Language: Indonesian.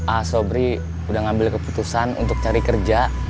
asobri udah ngambil keputusan untuk cari kerja